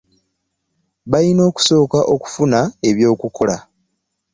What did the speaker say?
Balina okusooka okufuna eby'okukola.